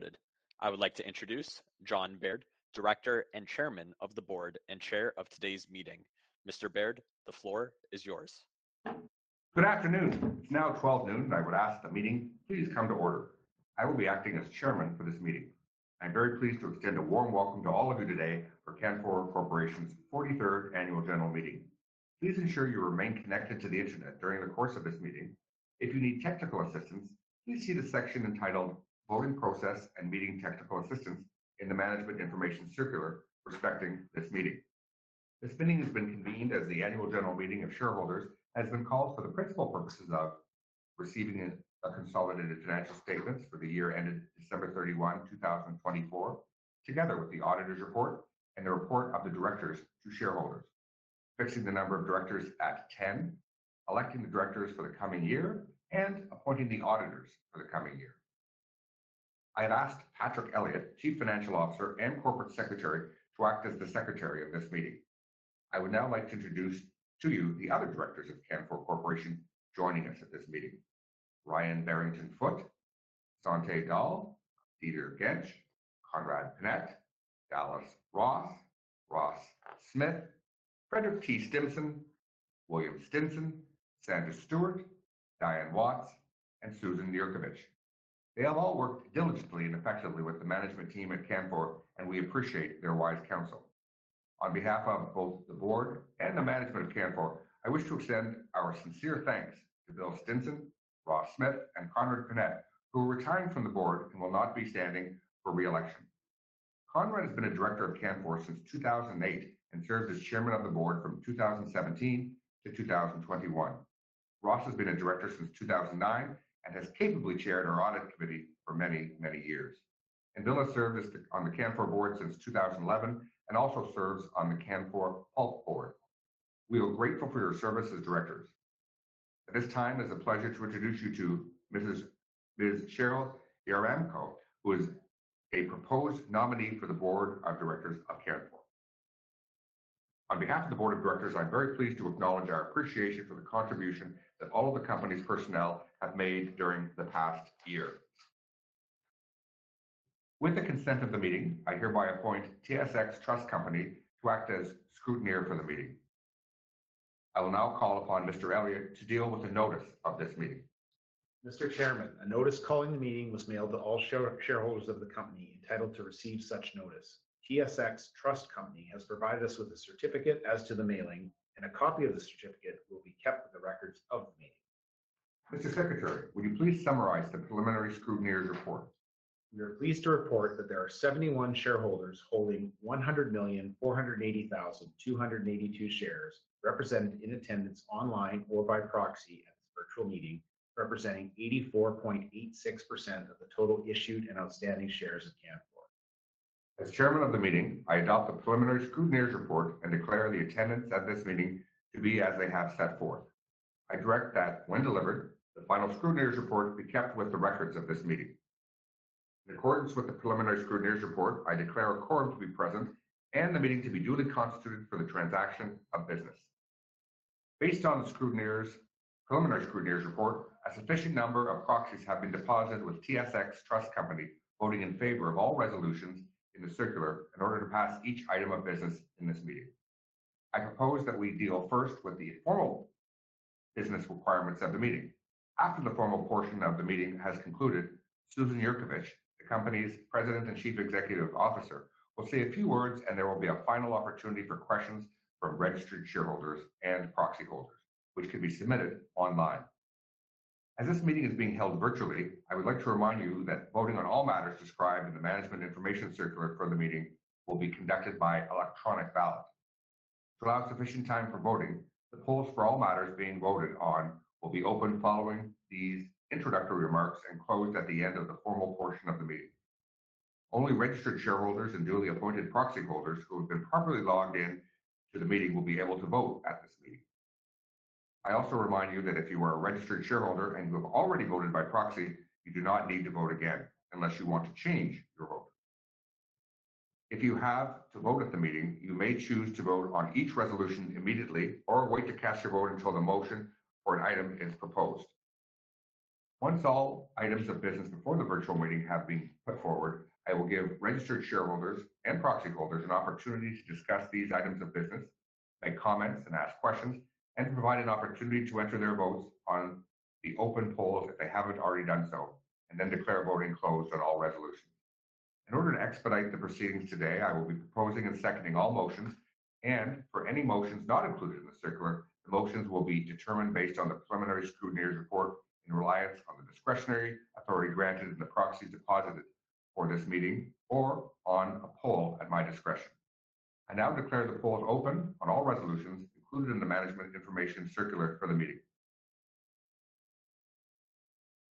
Boarded. I would like to introduce John Baird, Director and Chairman of the Board and Chair of today's meeting. Mr. Baird, the floor is yours. Good afternoon. It's now 12:00 noon, and I would ask the meeting please come to order. I will be acting as Chairman for this meeting. I'm very pleased to extend a warm welcome to all of you today for Canfor Corporation's 43rd Annual General Meeting. Please ensure you remain connected to the Internet during the course of this meeting. If you need technical assistance, please see the section entitled "Voting Process and Meeting Technical Assistance" in the Management Information Circular respecting this meeting. This meeting has been convened as the Annual General Meeting of shareholders has been called for the principal purposes of receiving consolidated financial statements for the year ended December 31, 2024, together with the auditor's report and the report of the directors to shareholders, fixing the number of directors at 10, electing the directors for the coming year, and appointing the auditors for the coming year. I have asked Patrick Elliott, Chief Financial Officer and Corporate Secretary, to act as the Secretary of this meeting. I would now like to introduce to you the other directors of Canfor Corporation joining us at this meeting: Ryan Barrington-Foote, Sante Dahl, Peter Getsch, Conrad Knecht, Dallas Ross, Ross Smith, Frederick T. Stimson, William Stimson, Sandra Stewart, Diane Watts, and Susan Yurkovich. They have all worked diligently and effectively with the management team at Canfor, and we appreciate their wise counsel. On behalf of both the Board and the management of Canfor, I wish to extend our sincere thanks to Bill Stimson, Ross Smith, and Conrad Knecht, who are retiring from the Board and will not be standing for reelection. Conrad has been a director of Canfor since 2008 and served as Chairman of the Board from 2017-2021. Ross has been a director since 2009 and has capably chaired our audit committee for many, many years. Bill has served on the Canfor Board since 2011 and also serves on the Canfor Pulp Board. We are grateful for your service as directors. At this time, it is a pleasure to introduce you to Ms. Cheryl Yaremko, who is a proposed nominee for the Board of Directors of Canfor. On behalf of the Board of Directors, I'm very pleased to acknowledge our appreciation for the contribution that all of the company's personnel have made during the past year. With the consent of the meeting, I hereby appoint TSX Trust Company to act as scrutineer for the meeting. I will now call upon Mr. Elliott to deal with the notice of this meeting. Mr. Chairman, a notice calling the meeting was mailed to all shareholders of the company entitled to receive such notice. TSX Trust Company has provided us with a certificate as to the mailing, and a copy of the certificate will be kept for the records of the meeting. Mr. Secretary, would you please summarize the preliminary scrutineer's report? We are pleased to report that there are 71 shareholders holding 100,480,282 shares represented in attendance online or by proxy at this virtual meeting, representing 84.86% of the total issued and outstanding shares of Canfor. As Chairman of the meeting, I adopt the preliminary scrutineer's report and declare the attendance at this meeting to be as they have set forth. I direct that, when delivered, the final scrutineer's report be kept with the records of this meeting. In accordance with the preliminary scrutineer's report, I declare a quorum to be present and the meeting to be duly constituted for the transaction of business. Based on the preliminary scrutineer's report, a sufficient number of proxies have been deposited with TSX Trust Company voting in favor of all resolutions in the circular in order to pass each item of business in this meeting. I propose that we deal first with the formal business requirements of the meeting. After the formal portion of the meeting has concluded, Susan Yurkovich, the company's President and Chief Executive Officer, will say a few words, and there will be a final opportunity for questions from registered shareholders and proxy holders, which can be submitted online. As this meeting is being held virtually, I would like to remind you that voting on all matters described in the Management Information Circular for the meeting will be conducted by electronic ballot. To allow sufficient time for voting, the polls for all matters being voted on will be opened following these introductory remarks and closed at the end of the formal portion of the meeting. Only registered shareholders and duly appointed proxy holders who have been properly logged in to the meeting will be able to vote at this meeting. I also remind you that if you are a registered shareholder and you have already voted by proxy, you do not need to vote again unless you want to change your vote. If you have to vote at the meeting, you may choose to vote on each resolution immediately or wait to cast your vote until the motion for an item is proposed. Once all items of business before the virtual meeting have been put forward, I will give registered shareholders and proxy holders an opportunity to discuss these items of business, make comments and ask questions, and provide an opportunity to enter their votes on the open polls if they have not already done so, and then declare voting closed on all resolutions. In order to expedite the proceedings today, I will be proposing and seconding all motions, and for any motions not included in the circular, the motions will be determined based on the preliminary scrutineer's report in reliance on the discretionary authority granted and the proxies deposited for this meeting or on a poll at my discretion. I now declare the polls open on all resolutions included in the Management Information Circular for the meeting.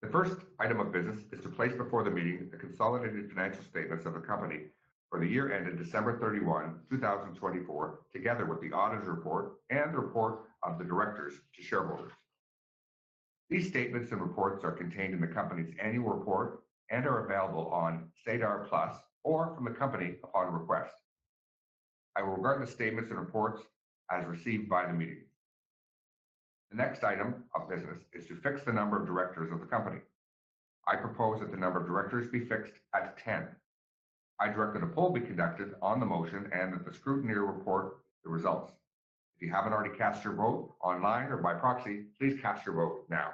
The first item of business is to place before the meeting the consolidated financial statements of the company for the year ended December 31, 2024, together with the auditor's report and the report of the directors to shareholders. These statements and reports are contained in the company's annual report and are available on SEDAR+ or from the company upon request. I will regard the statements and reports as received by the meeting. The next item of business is to fix the number of directors of the company. I propose that the number of directors be fixed at 10. I direct that a poll be conducted on the motion and that the scrutineer report the results. If you haven't already cast your vote online or by proxy, please cast your vote now.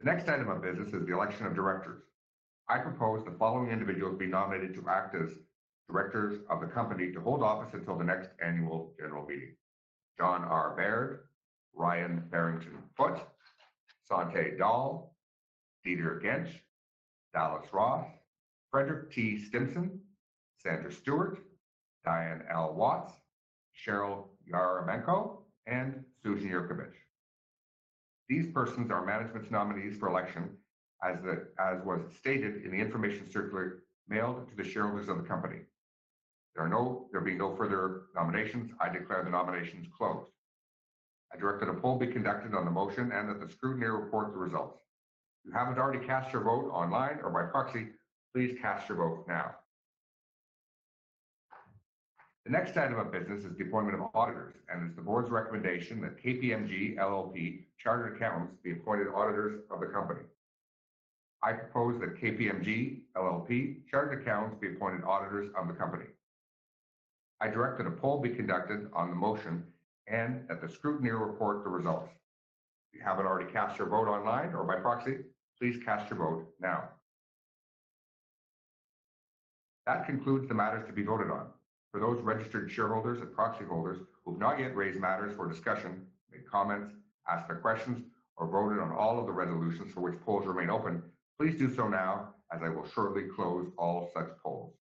The next item of business is the election of directors. I propose the following individuals be nominated to act as directors of the company to hold office until the next Annual General Meeting: John R. Baird, Ryan Barrington-Foote, Sante Dahl, Peter Getsch, Dallas Ross, Frederick T. Stimson, Sandra Stewart, Diane L. Watts, Cheryl Yaremko, and Susan Yurkovich. These persons are management's nominees for election, as was stated in the information circular mailed to the shareholders of the company. There being no further nominations, I declare the nominations closed. I direct that a poll be conducted on the motion and that the scrutineer report the results. If you haven't already cast your vote online or by proxy, please cast your vote now. The next item of business is the appointment of auditors, and it's the Board's recommendation that KPMG LLP Chartered Accountants be appointed auditors of the company. I propose that KPMG LLP Chartered Accountants be appointed auditors of the company. I direct that a poll be conducted on the motion and that the scrutineer report the results. If you haven't already cast your vote online or by proxy, please cast your vote now. That concludes the matters to be voted on. For those registered shareholders and proxy holders who have not yet raised matters for discussion, made comments, asked their questions, or voted on all of the resolutions for which polls remain open, please do so now, as I will shortly close all such polls.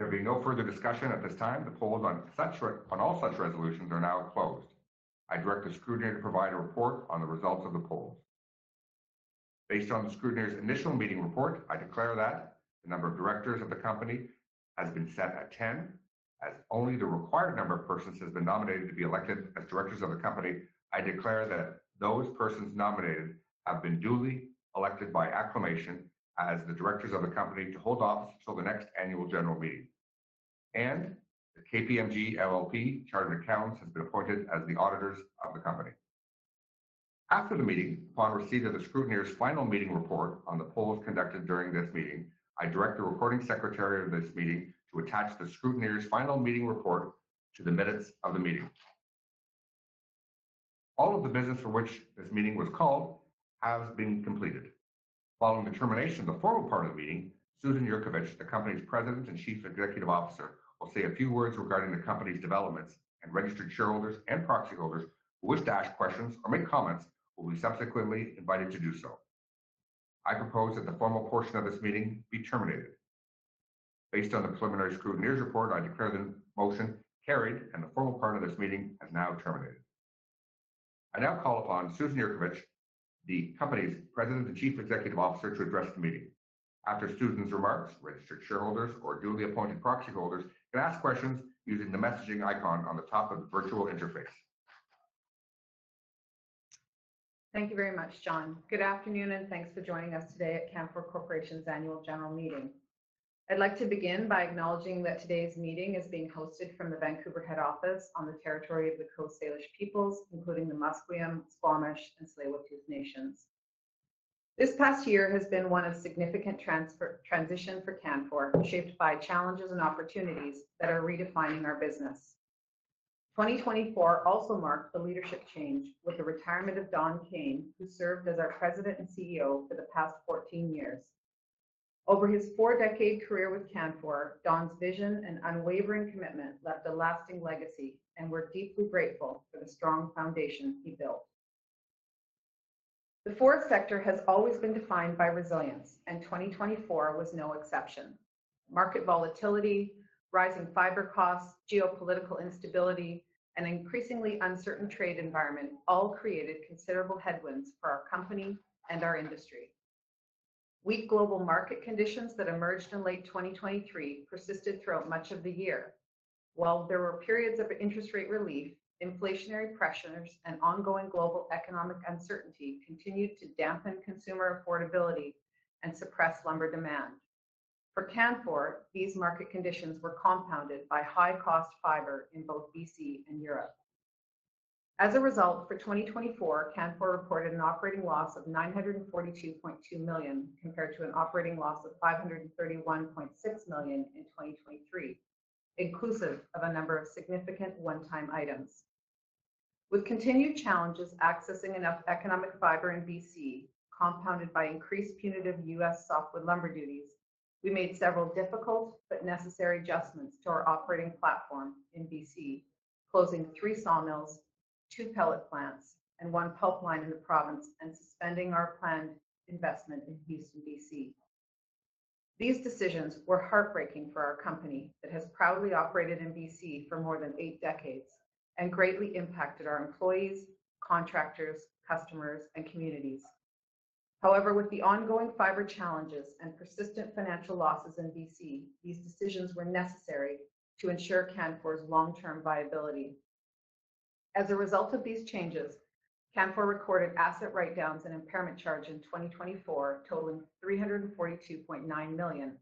There being no further discussion at this time, the polls on all such resolutions are now closed. I direct the scrutineer to provide a report on the results of the polls. Based on the scrutineer's initial meeting report, I declare that the number of directors of the company has been set at 10. As only the required number of persons has been nominated to be elected as directors of the company, I declare that those persons nominated have been duly elected by acclamation as the directors of the company to hold office until the next Annual General Meeting, and that KPMG LLP Chartered Accountants has been appointed as the auditors of the company. After the meeting, upon receipt of the scrutineer's final meeting report on the polls conducted during this meeting, I direct the reporting secretary of this meeting to attach the scrutineer's final meeting report to the minutes of the meeting. All of the business for which this meeting was called has been completed. Following the termination of the formal part of the meeting, Susan Yurkovich, the company's President and Chief Executive Officer, will say a few words regarding the company's developments, and registered shareholders and proxy holders who wish to ask questions or make comments will be subsequently invited to do so. I propose that the formal portion of this meeting be terminated. Based on the preliminary scrutineer's report, I declare the motion carried, and the formal part of this meeting is now terminated. I now call upon Susan Yurkovich, the company's President and Chief Executive Officer, to address the meeting. After Susan's remarks, registered shareholders or duly appointed proxy holders can ask questions using the messaging icon on the top of the virtual interface. Thank you very much, John. Good afternoon, and thanks for joining us today at Canfor Corporation's Annual General Meeting. I'd like to begin by acknowledging that today's meeting is being hosted from the Vancouver head office on the territory of the Coast Salish peoples, including the Musqueam, Squamish, and Tsleil-Waututh Nations. This past year has been one of significant transition for Canfor, shaped by challenges and opportunities that are redefining our business. 2024 also marked a leadership change with the retirement of Don Kane, who served as our President and CEO for the past 14 years. Over his four-decade career with Canfor, Don's vision and unwavering commitment left a lasting legacy, and we're deeply grateful for the strong foundation he built. The forest sector has always been defined by resilience, and 2024 was no exception. Market volatility, rising fiber costs, geopolitical instability, and an increasingly uncertain trade environment all created considerable headwinds for our company and our industry. Weak global market conditions that emerged in late 2023 persisted throughout much of the year. While there were periods of interest rate relief, inflationary pressures and ongoing global economic uncertainty continued to dampen consumer affordability and suppress lumber demand. For Canfor, these market conditions were compounded by high-cost fiber in both British Columbia and Europe. As a result, for 2024, Canfor reported an operating loss of $942.2 million compared to an operating loss of $531.6 million in 2023, inclusive of a number of significant one-time items. With continued challenges accessing enough economic fiber in British Columbia, compounded by increased punitive U.S. Softwood lumber duties, we made several difficult but necessary adjustments to our operating platform in British Columbia, closing three sawmills, two pellet plants, and one pellet line in the province, and suspending our planned investment in Houston, British Columbia. These decisions were heartbreaking for our company that has proudly operated in British Columbia for more than eight decades and greatly impacted our employees, contractors, customers, and communities. However, with the ongoing fiber challenges and persistent financial losses in British Columbia, these decisions were necessary to ensure Canfor's long-term viability. As a result of these changes, Canfor recorded asset write-downs and impairment charges in 2024 totaling $342.9 million,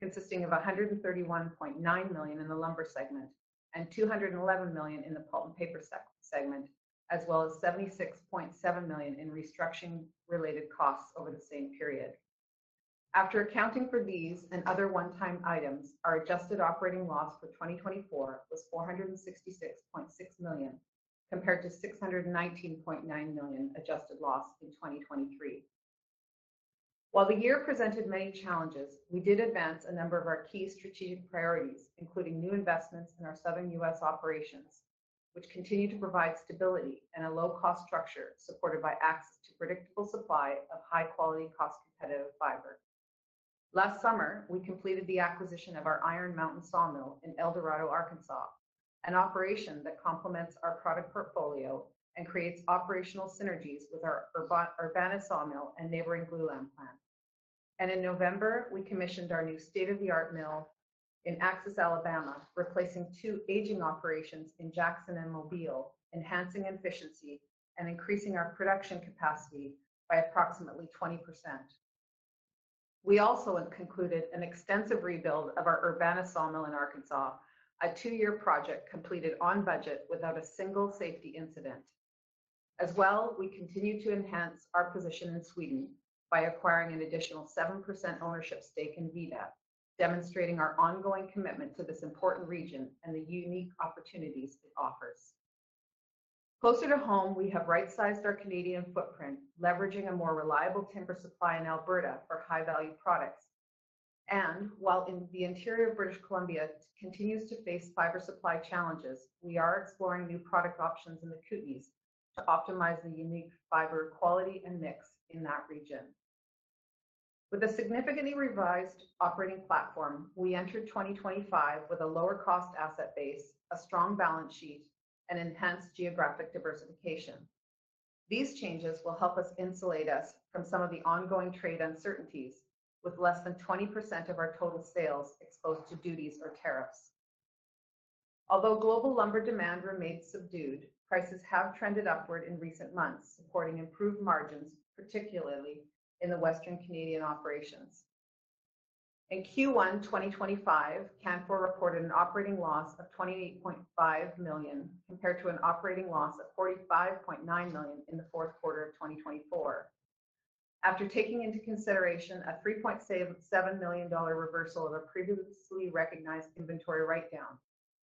consisting of $131.9 million in the lumber segment and $211 million in the pulp and paper segment, as well as $76.7 million in restructuring-related costs over the same period. After accounting for these and other one-time items, our adjusted operating loss for 2024 was $466.6 million compared to $619.9 million adjusted loss in 2023. While the year presented many challenges, we did advance a number of our key strategic priorities, including new investments in our southern U.S. operations, which continue to provide stability and a low-cost structure supported by access to predictable supply of high-quality, cost-competitive fiber. Last summer, we completed the acquisition of our Iron Mountain sawmill in El Dorado, Arkansas, an operation that complements our product portfolio and creates operational synergies with our Urbana sawmill and neighboring glulam plant. In November, we commissioned our new state-of-the-art mill in Axis, Alabama, replacing two aging operations in Jackson and Mobile, enhancing efficiency and increasing our production capacity by approximately 20%. We also concluded an extensive rebuild of our Urbana sawmill in Arkansas, a two-year project completed on budget without a single safety incident. As well, we continue to enhance our position in Sweden by acquiring an additional 7% ownership stake in Vida, demonstrating our ongoing commitment to this important region and the unique opportunities it offers. Closer to home, we have right-sized our Canadian footprint, leveraging a more reliable timber supply in Alberta for high-value products. While the interior of British Columbia continues to face fiber supply challenges, we are exploring new product options in the Kootenays to optimize the unique fiber quality and mix in that region. With a significantly revised operating platform, we entered 2025 with a lower-cost asset base, a strong balance sheet, and enhanced geographic diversification. These changes will help us insulate us from some of the ongoing trade uncertainties, with less than 20% of our total sales exposed to duties or tariffs. Although global lumber demand remained subdued, prices have trended upward in recent months, supporting improved margins, particularly in the western Canadian operations. In Q1 2025, Canfor reported an operating loss of $28.5 million compared to an operating loss of $45.9 million in the fourth quarter of 2024. After taking into consideration a $3.7 million reversal of a previously recognized inventory write-down,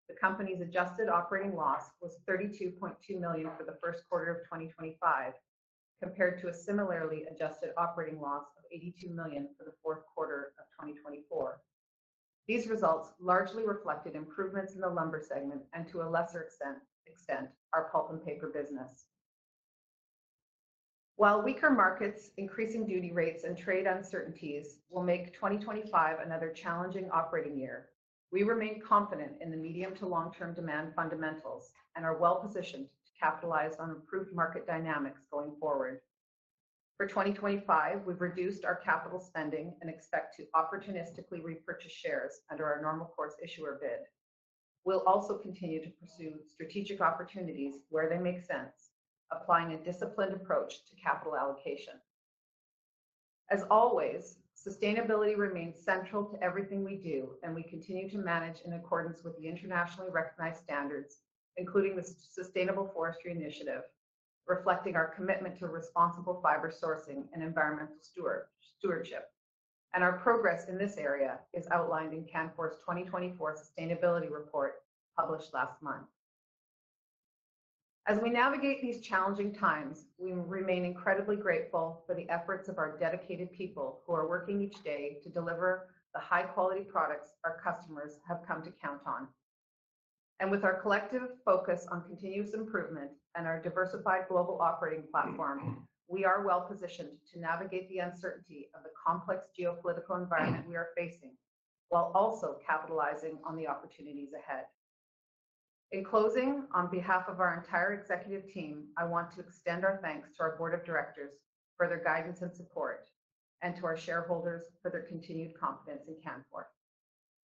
the company's adjusted operating loss was $32.2 million for the first quarter of 2025, compared to a similarly adjusted operating loss of $82 million for the fourth quarter of 2024. These results largely reflected improvements in the lumber segment and, to a lesser extent, our pulp and paper business. While weaker markets, increasing duty rates, and trade uncertainties will make 2025 another challenging operating year, we remain confident in the medium to long-term demand fundamentals and are well-positioned to capitalize on improved market dynamics going forward. For 2025, we've reduced our capital spending and expect to opportunistically repurchase shares under our normal course issuer bid. We'll also continue to pursue strategic opportunities where they make sense, applying a disciplined approach to capital allocation. As always, sustainability remains central to everything we do, and we continue to manage in accordance with the internationally recognized standards, including the Sustainable Forestry Initiative, reflecting our commitment to responsible fiber sourcing and environmental stewardship. Our progress in this area is outlined in Canfor's 2024 sustainability report published last month. As we navigate these challenging times, we remain incredibly grateful for the efforts of our dedicated people who are working each day to deliver the high-quality products our customers have come to count on. With our collective focus on continuous improvement and our diversified global operating platform, we are well-positioned to navigate the uncertainty of the complex geopolitical environment we are facing while also capitalizing on the opportunities ahead. In closing, on behalf of our entire executive team, I want to extend our thanks to our board of directors for their guidance and support and to our shareholders for their continued confidence in Canfor.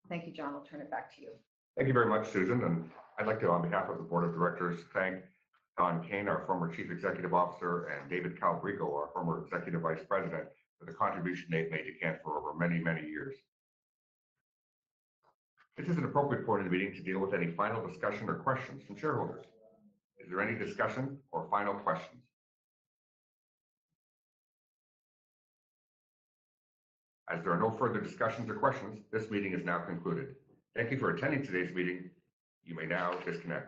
Thank you, John. I'll turn it back to you. Thank you very much, Susan. I would like to, on behalf of the Board of Directors, thank Don Kane, our former Chief Executive Officer, and David Calabrigo, our former Executive Vice President, for the contribution they have made to Canfor over many, many years. This is an appropriate point of the meeting to deal with any final discussion or questions from shareholders. Is there any discussion or final questions? As there are no further discussions or questions, this meeting is now concluded. Thank you for attending today's meeting. You may now disconnect.